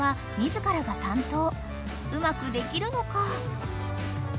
［うまくできるのか？］